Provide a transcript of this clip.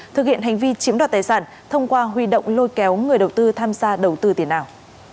thực hiện hành vi chiếm đoạt tài sản thông qua huy động lôi kéo người đầu tư tham gia đầu tư tiền ảo